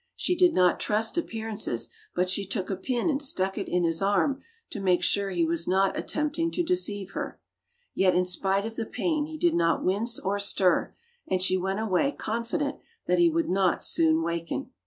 She did not trust ap pearances, but she took a pin and stuck it in his arm to make sure he was not attempt ing to deceive her. Yet in spite of the pain he did not wince or stir, and she went away confident that he would not soon waken.